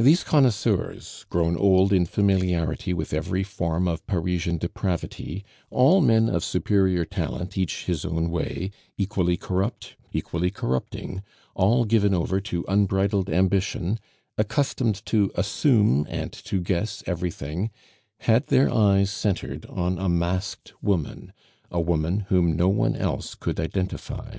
These connoisseurs, grown old in familiarity with every form of Parisian depravity, all men of superior talent each his own way, equally corrupt, equally corrupting, all given over to unbridled ambition, accustomed to assume and to guess everything, had their eyes centered on a masked woman, a woman whom no one else could identify.